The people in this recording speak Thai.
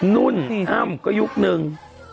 นุ่นอ้ำก็ยุคนึง